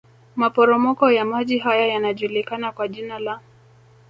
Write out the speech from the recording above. Maporomoko ya maji haya yanajulikana kwa jina la